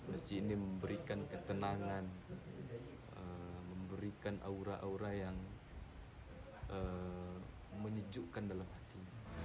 masjid ini memberikan ketenangan memberikan aura aura yang menyejukkan dalam hati